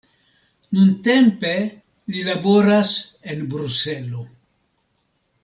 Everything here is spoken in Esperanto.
Nuntempe li laboras en Bruselo.